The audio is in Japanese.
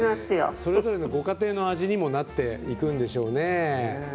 それぞれのご家庭の味にもなっていくんでしょうね。